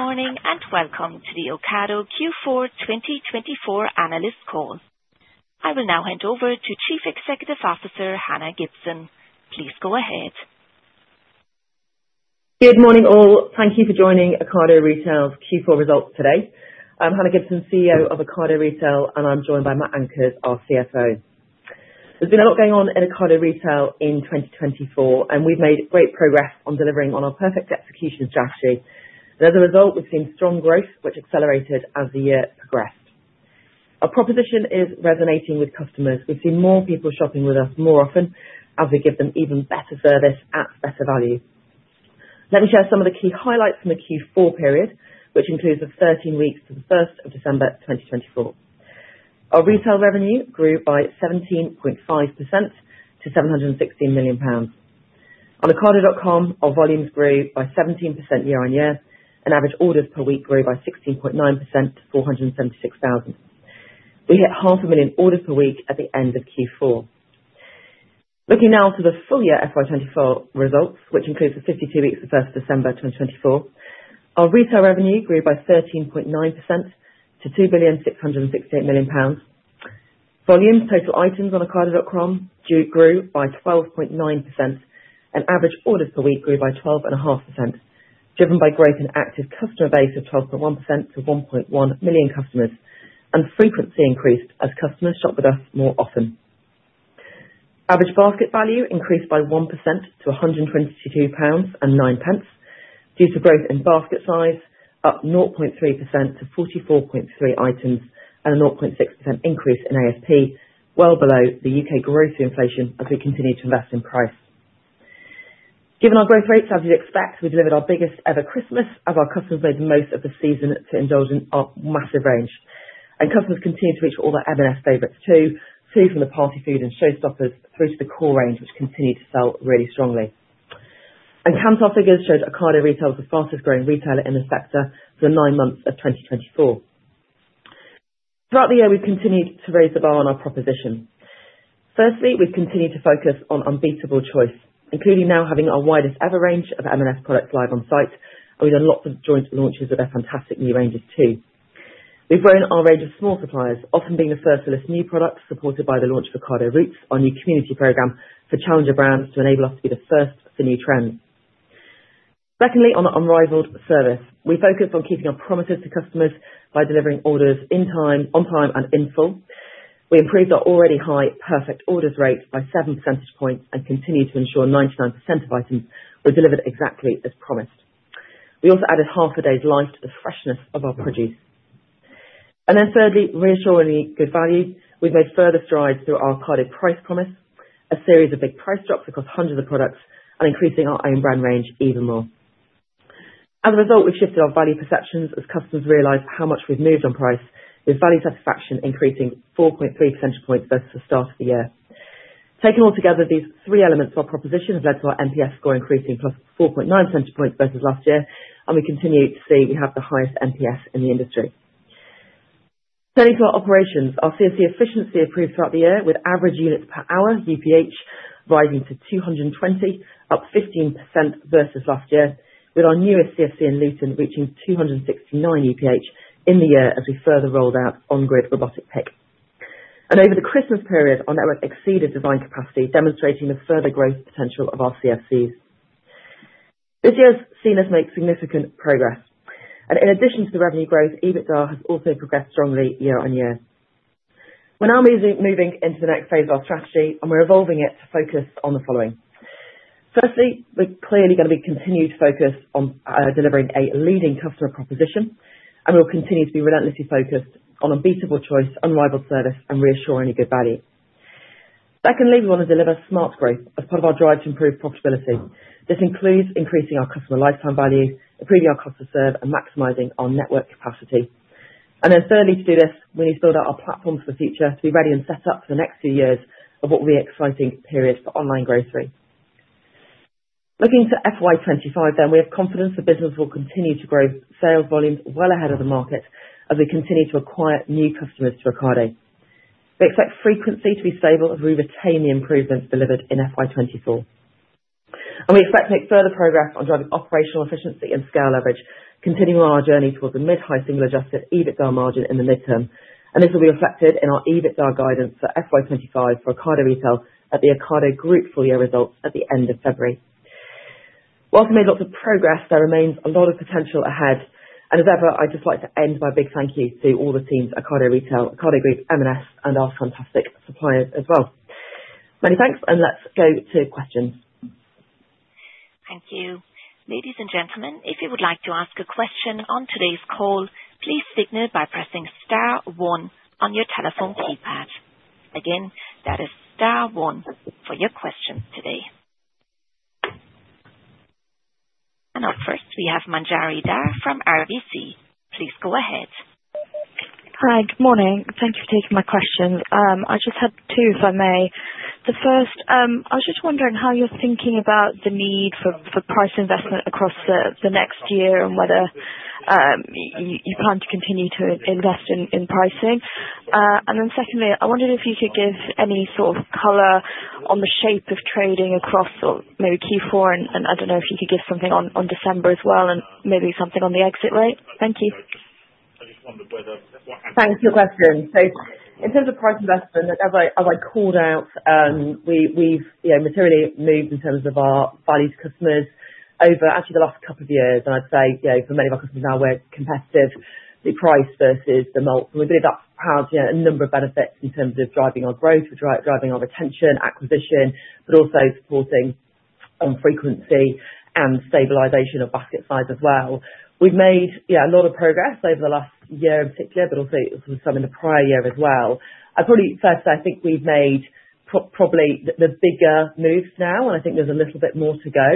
Good morning and welcome to the Ocado Q4 2024 analyst call. I will now hand over to Chief Executive Officer Hannah Gibson. Please go ahead. Good morning all. Thank you for joining Ocado Retail's Q4 results today. I'm Hannah Gibson, CEO of Ocado Retail, and I'm joined by Mat Ankers, our CFO. There's been a lot going on in Ocado Retail in 2024, and we've made great progress on delivering on our perfect execution strategy. As a result, we've seen strong growth, which accelerated as the year progressed. Our proposition is resonating with customers. We've seen more people shopping with us more often as we give them even better service at better value. Let me share some of the key highlights from the Q4 period, which includes the 13 weeks to the 1st of December 2024. Our retail revenue grew by 17.5% to £716 million. On Ocado.com, our volumes grew by 17% year-on-year, and average orders per week grew by 16.9% to £476,000. We hit 500,000 orders per week at the end of Q4. Looking now to the full year FY24 results, which includes the 52 weeks to the 1st of December 2024, our retail revenue grew by 13.9% to 2,668 million pounds. Volume total items on Ocado.com grew by 12.9%, and average orders per week grew by 12.5%, driven by growth in active customer base of 12.1% to 1.1 million customers, and frequency increased as customers shop with us more often. Average basket value increased by 1% to 122.09 pounds due to growth in basket size, up 0.3% to 44.3 items, and a 0.6% increase in ASP, well below the U.K. gross inflation as we continue to invest in price. Given our growth rates, as you'd expect, we delivered our biggest ever Christmas, as our customers made the most of the season to indulge in our massive range. Customers continued to reach for all their M&S favorites too, food from the party food and Showstoppers, through to the core range, which continued to sell really strongly. Kantar figures showed Ocado Retail was the fastest-growing retailer in the sector for the nine months of 2024. Throughout the year, we've continued to raise the bar on our proposition. Firstly, we've continued to focus on unbeatable choice, including now having our widest ever range of M&S products live on site, and we've done lots of joint launches of their fantastic new ranges too. We've grown our range of small suppliers, often being the first to list new products supported by the launch of Ocado Roots, our new community program for challenger brands, to enable us to be the first for new trends. Secondly, on the unrivaled service, we focused on keeping our promises to customers by delivering orders in time, on time, and in full. We improved our already high perfect orders rate by 7 percentage points and continue to ensure 99% of items were delivered exactly as promised. We also added half a day's life to the freshness of our produce. And then thirdly, reassuringly good value, we've made further strides through our Ocado Price Promise, a series of big price drops across hundreds of products, and increasing our own brand range even more. As a result, we've shifted our value perceptions as customers realize how much we've moved on price, with value satisfaction increasing 4.3 percentage points versus the start of the year. Taken all together, these three elements of our proposition have led to our NPS score increasing plus 4.9 percentage points versus last year, and we continue to see we have the highest NPS in the industry. Turning to our operations, our CFC efficiency improved throughout the year, with average units per hour, UPH, rising to 220, up 15% versus last year, with our newest CFC in Luton reaching 269 UPH in the year as we further rolled out On-Grid Robotic Pick. Over the Christmas period, our network exceeded design capacity, demonstrating the further growth potential of our CFCs. This year's CFCs made significant progress, and in addition to the revenue growth, EBITDA has also progressed strongly year-on-year. We're now moving into the next phase of our strategy, and we're evolving it to focus on the following. Firstly, we're clearly going to continue to focus on delivering a leading customer proposition, and we'll continue to be relentlessly focused on unbeatable choice, unrivaled service, and reassuringly good value. Secondly, we want to deliver smart growth as part of our drive to improve profitability. This includes increasing our customer lifetime value, improving our cost of service, and maximizing our network capacity. And then thirdly, to do this, we need to build out our platforms for the future to be ready and set up for the next few years of what will be an exciting period for online grocery. Looking to FY25, then we have confidence the business will continue to grow sales volumes well ahead of the market as we continue to acquire new customers to Ocado. We expect frequency to be stable as we retain the improvements delivered in FY24. We expect to make further progress on driving operational efficiency and scale leverage, continuing on our journey towards a mid-high single-adjusted EBITDA margin in the midterm. This will be reflected in our EBITDA guidance for FY25 for Ocado Retail at the Ocado Group full year results at the end of February. Whilst we've made lots of progress, there remains a lot of potential ahead. As ever, I'd just like to end by a big thank you to all the teams, Ocado Retail, Ocado Group, M&S, and our fantastic suppliers as well. Many thanks, and let's go to questions. Thank you. Ladies and gentlemen, if you would like to ask a question on today's call, please signal by pressing star one on your telephone keypad. Again, that is star one for your question today. And up first, we have Manjari Dhar from RBC. Please go ahead. Hi, good morning. Thank you for taking my question. I just had two, if I may. The first, I was just wondering how you're thinking about the need for price investment across the next year and whether you plan to continue to invest in pricing. And then secondly, I wondered if you could give any sort of color on the shape of trading across maybe Q4, and I don't know if you could give something on December as well, and maybe something on the exit rate. Thank you. Thanks for the question, so in terms of price investment, as I called out, we've materially moved in terms of our value to customers over actually the last couple of years, and I'd say for many of our customers now, we're competitive with price versus the mults. We've really had a number of benefits in terms of driving our growth, driving our retention, acquisition, but also supporting frequency and stabilization of basket size as well. We've made a lot of progress over the last year in particular, but also some in the prior year as well. I'd probably first say I think we've made probably the bigger moves now, and I think there's a little bit more to go,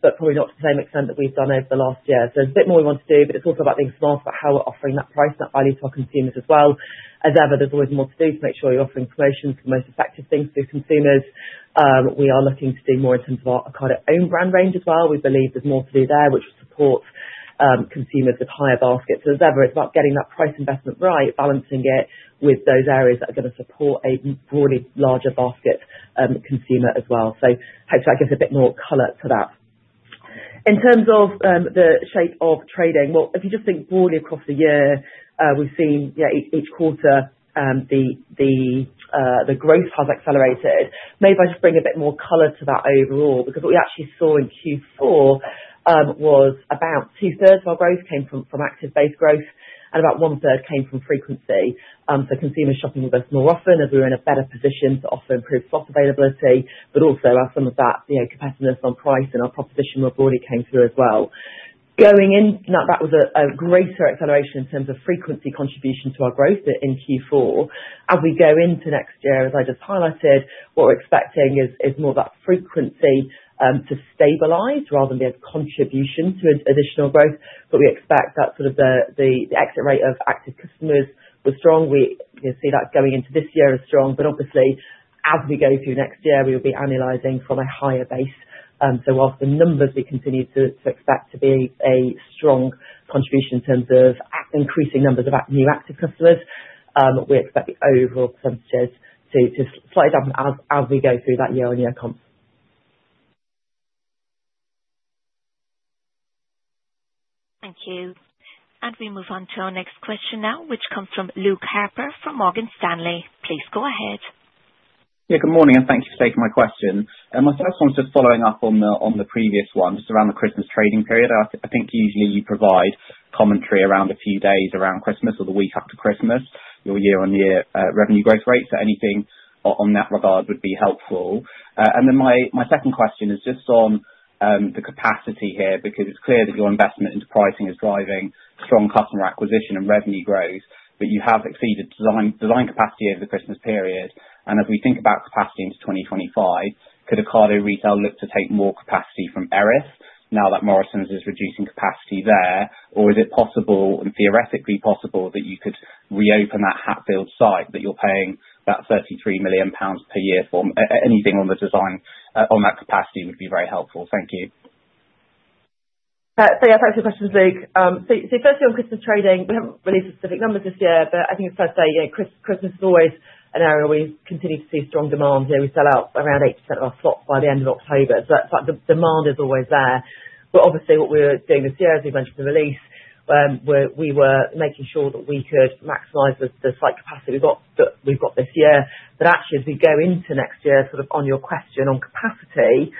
but probably not to the same extent that we've done over the last year. So there's a bit more we want to do, but it's also about being smart about how we're offering that price and that value to our consumers as well. As ever, there's always more to do to make sure you're offering promotions for the most effective things for consumers. We are looking to do more in terms of our Ocado own brand range as well. We believe there's more to do there which will support consumers with higher baskets. As ever, it's about getting that price investment right, balancing it with those areas that are going to support a broadly larger basket consumer as well. So hopefully that gives a bit more color to that. In terms of the shape of trading, well, if you just think broadly across the year, we've seen each quarter the growth has accelerated. Maybe I'll just bring a bit more color to that overall because what we actually saw in Q4 was about two-thirds of our growth came from active base growth, and about one-third came from frequency. Consumers shopping with us more often as we were in a better position to offer improved slot availability, but also some of that competitiveness on price and our proposition more broadly came through as well. That was a greater acceleration in terms of frequency contribution to our growth in Q4. As we go into next year, as I just highlighted, what we're expecting is more of that frequency to stabilize rather than be a contribution to additional growth. We expect that the exit rate of active customers was strong. We see that going into this year as strong, but obviously, as we go through next year, we will be analyzing from a higher base. So whilst the numbers we continue to expect to be a strong contribution in terms of increasing numbers of new active customers, we expect the overall percentages to slide down as we go through that year-on-year comp. Thank you. We move on to our next question now, which comes from Luke Harper from Morgan Stanley. Please go ahead. Yeah, good morning, and thank you for taking my question. My first one's just following up on the previous one, just around the Christmas trading period. I think usually you provide commentary around a few days around Christmas or the week after Christmas, your year-on-year revenue growth rates. So anything on that regard would be helpful. And then my second question is just on the capacity here because it's clear that your investment into pricing is driving strong customer acquisition and revenue growth, but you have exceeded design capacity over the Christmas period. And as we think about capacity into 2025, could Ocado Retail look to take more capacity from Erith now that Morrisons is reducing capacity there? Or is it possible, and theoretically possible, that you could reopen that Hatfield site that you're paying that 33 million pounds per year for? Anything on that capacity would be very helpful. Thank you. Yeah, thanks for your question, Luke. So firstly, on Christmas trading, we haven't released specific numbers this year, but I think it's fair to say Christmas is always an area where we continue to see strong demand. We sell out around 80% of our slots by the end of October. So the demand is always there. But obviously, what we were doing this year, as we mentioned in the release, we were making sure that we could maximize the site capacity we've got this year. But actually, as we go into next year, sort of on your question on capacity,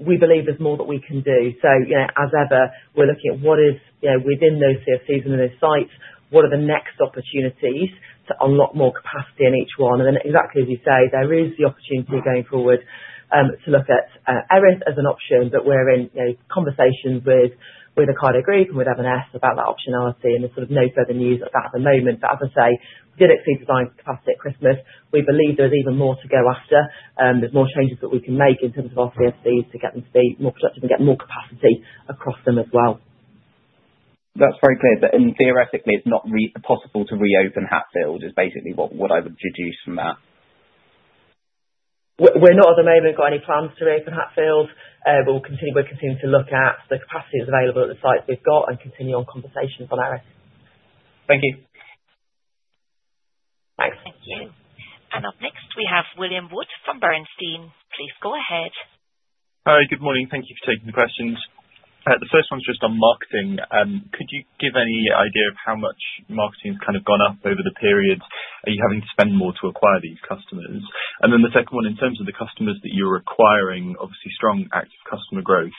we believe there's more that we can do. So as ever, we're looking at what is within those CFCs and those sites, what are the next opportunities to unlock more capacity in each one. And then exactly as you say, there is the opportunity going forward to look at Erith as an option, but we're in conversations with Ocado Group and with M&S about that optionality. And there's sort of no further news at that at the moment. But as I say, we did exceed design capacity at Christmas. We believe there's even more to go after. There's more changes that we can make in terms of our CFCs to get them to be more productive and get more capacity across them as well. That's very clear. But theoretically, it's not possible to reopen Hatfield, is basically what I would deduce from that. We're not at the moment got any plans to reopen Hatfield. We're continuing to look at the capacity that's available at the sites we've got and continue on conversations on Erith. Thank you. Thanks. Thank you. And up next, we have William Woods from Bernstein. Please go ahead. Hi, good morning. Thank you for taking the questions. The first one's just on marketing. Could you give any idea of how much marketing has kind of gone up over the period? Are you having to spend more to acquire these customers? And then the second one, in terms of the customers that you're acquiring, obviously strong active customer growth.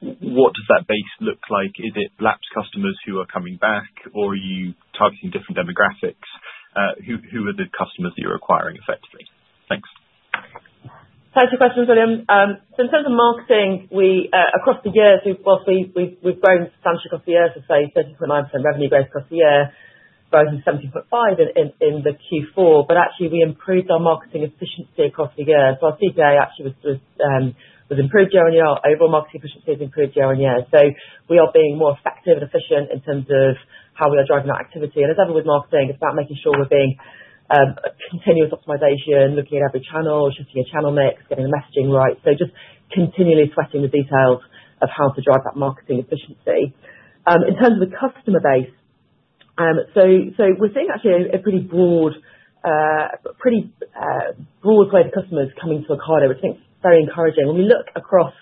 What does that base look like? Is it lapsed customers who are coming back, or are you targeting different demographics? Who are the customers that you're acquiring effectively? Thanks. Thanks for your question, William. So in terms of marketing, across the years, we've grown substantially across the year to say 13.9% revenue growth across the year, rising 17.5% in the Q4. But actually, we improved our marketing efficiency across the year. So our CPA actually was improved year on year. Our overall marketing efficiency has improved year on year. So we are being more effective and efficient in terms of how we are driving our activity. And as ever with marketing, it's about making sure we're being continuous optimization, looking at every channel, shifting a channel mix, getting the messaging right. So just continually sweating the details of how to drive that marketing efficiency. In terms of the customer base, so we're seeing actually a pretty broad way the customer is coming to Ocado, which I think is very encouraging. When we look across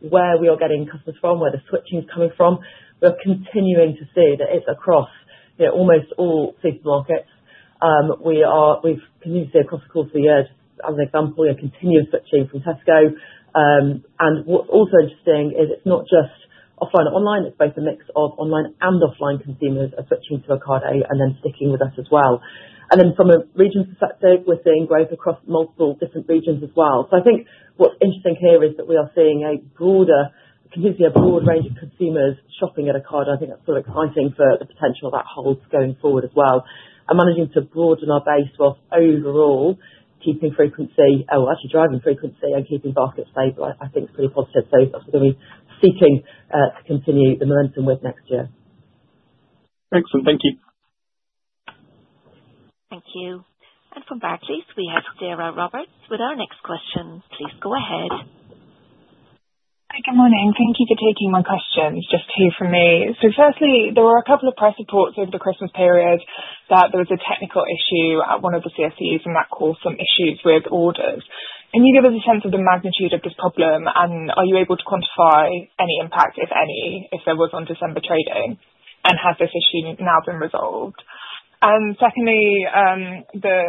where we are getting customers from, where the switching is coming from, we're continuing to see that it's across almost all supermarkets. We've continued to see across the course of the year, as an example, continuous switching from Tesco. And what's also interesting is it's not just offline and online. It's both a mix of online and offline consumers are switching to Ocado and then sticking with us as well. And then from a region perspective, we're seeing growth across multiple different regions as well. So I think what's interesting here is that we are seeing a broader range of consumers shopping at Ocado. I think that's sort of exciting for the potential of that whole going forward as well. And managing to broaden our base whilst overall keeping frequency, or actually driving frequency and keeping baskets stable, I think is pretty positive. So that's what we're seeking to continue the momentum with next year. Thanks, and thank you. Thank you. And from Barclays, we have Sarah Roberts with our next question. Please go ahead. Hi, good morning. Thank you for taking my questions. Just two from me. So firstly, there were a couple of press reports over the Christmas period that there was a technical issue at one of the CFCs, and that caused some issues with orders. Can you give us a sense of the magnitude of this problem, and are you able to quantify any impact, if any, if there was on December trading, and has this issue now been resolved? And secondly, the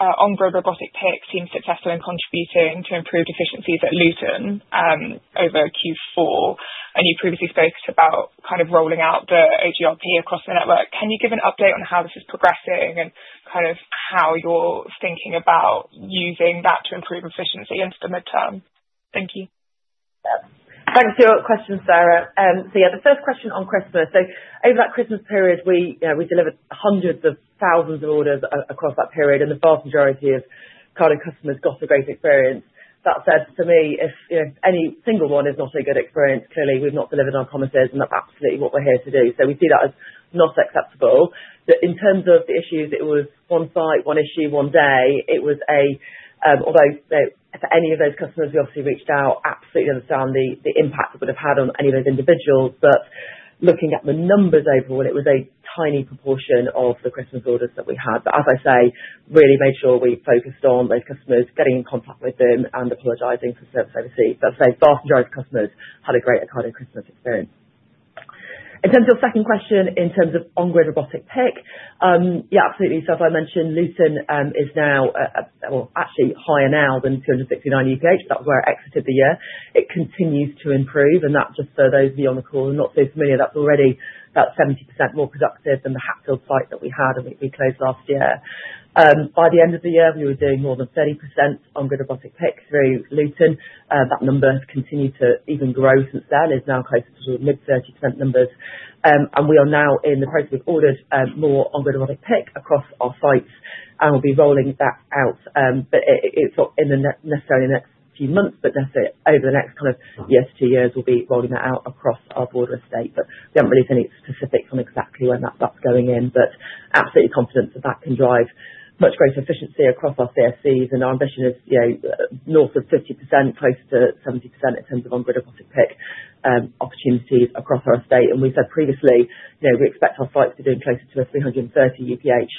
On-Grid robotic pick seems successful in contributing to improved efficiencies at Luton over Q4. And you previously spoke to about kind of rolling out the OGRP across the network. Can you give an update on how this is progressing and kind of how you're thinking about using that to improve efficiency into the midterm? Thank you. Thanks for your question, Sarah. So yeah, the first question on Christmas. So over that Christmas period, we delivered hundreds of thousands of orders across that period, and the vast majority of Ocado customers got a great experience. That said, for me, if any single one is not a good experience, clearly we've not delivered on promises, and that's absolutely what we're here to do. So we see that as not acceptable. But in terms of the issues, it was one site, one issue, one day. It was, although for any of those customers we obviously reached out, absolutely understand the impact it would have had on any of those individuals. But looking at the numbers overall, it was a tiny proportion of the Christmas orders that we had. But as I say, really made sure we focused on those customers, getting in contact with them and apologizing for service issues. But I'd say the vast majority of customers had a great Ocado Christmas experience. In terms of your second question, in terms of On-Grid robotic pick, yeah, absolutely. So as I mentioned, Luton is now, or actually higher now than 269 UPH, but that was where it exited the year. It continues to improve, and that just for those of you on the call who are not so familiar, that's already about 70% more productive than the Hatfield site that we had when we closed last year. By the end of the year, we were doing more than 30% On-Grid robotic pick through Luton. That number has continued to even grow since then, is now close to sort of mid-30% numbers. We are now in the process of ordering more On-Grid robotic pick across our sites, and we'll be rolling that out. It's not necessarily in the next few months, but over the next kind of year to two years, we'll be rolling that out across our broader estate. We haven't released any specifics on exactly when that's going in, but absolutely confident that that can drive much greater efficiency across our CFCs. Our ambition is north of 50%, close to 70% in terms of On-Grid robotic pick opportunities across our estate. We said previously we expect our sites to be doing closer to a 330 UPH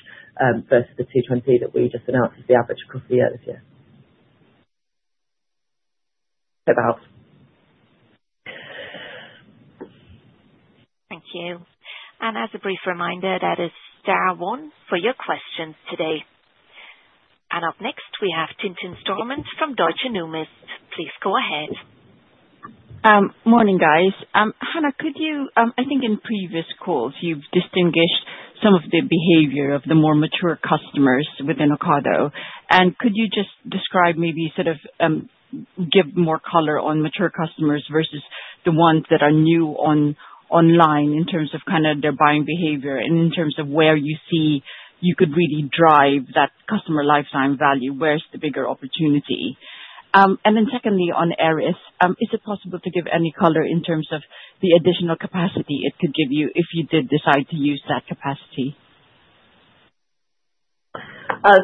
versus the 220 that we just announced as the average across the year this year. Thank you. And as a brief reminder, that is Dara Wong for your questions today. And up next, we have Tintin Stormont from Deutsche Numis. Please go ahead. Morning, guys. Hannah, could you, I think in previous calls, you've distinguished some of the behavior of the more mature customers within Ocado. And could you just describe maybe sort of give more color on mature customers versus the ones that are new online in terms of kind of their buying behavior and in terms of where you see you could really drive that customer lifetime value, where's the bigger opportunity? And then secondly, on Erith, is it possible to give any color in terms of the additional capacity it could give you if you did decide to use that capacity?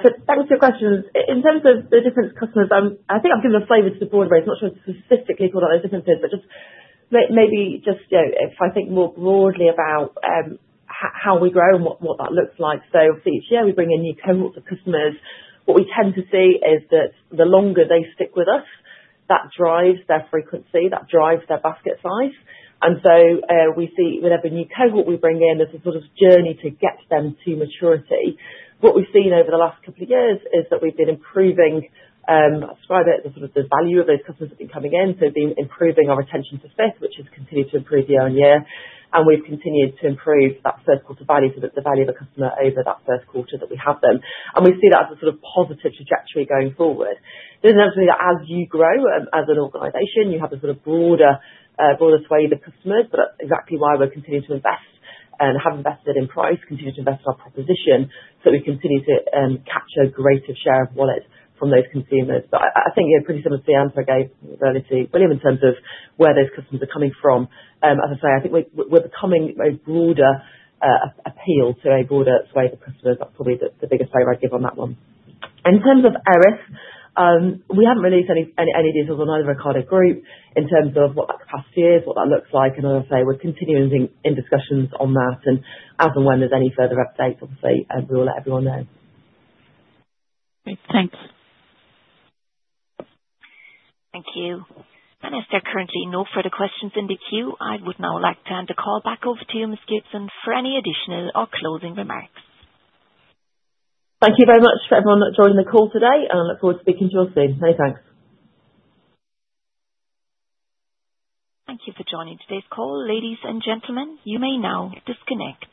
So thanks for your questions. In terms of the different customers, I think I've given a flavor of the broad way. I'm not sure I've specifically called out those differences, but just maybe if I think more broadly about how we grow and what that looks like. So obviously, each year we bring in new cohorts of customers. What we tend to see is that the longer they stick with us, that drives their frequency, that drives their basket size. And so we see with every new cohort we bring in, there's a sort of journey to get them to maturity. What we've seen over the last couple of years is that we've been improving. I'd describe it as sort of the value of those customers that have been coming in. So we've been improving our retention rate, which has continued to improve year on year. And we've continued to improve that first quarter value for the value of a customer over that first quarter that we have them. And we see that as a sort of positive trajectory going forward. There's an ability that as you grow as an organization, you have a sort of broader sway of the customers. But that's exactly why we're continuing to invest and have invested in price, continue to invest in our proposition so that we continue to capture a greater share of wallet from those consumers. But I think pretty similar to the answer I gave earlier to William in terms of where those customers are coming from. As I say, I think we're becoming a broader appeal to a broader sway of the customers. That's probably the biggest flavor I'd give on that one. In terms of Erith, we haven't released any details on either Ocado Group in terms of what that capacity is, what that looks like. And as I say, we're continuing in discussions on that. And as and when there's any further updates, obviously, we will let everyone know. Great, thanks. Thank you. And as there are currently no further questions in the queue, I would now like to hand the call back over to you, Ms. Gibson, for any additional or closing remarks. Thank you very much for everyone that joined the call today, and I look forward to speaking to you all soon. Many thanks. Thank you for joining today's call. Ladies and gentlemen, you may now disconnect.